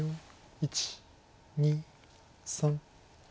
１２３。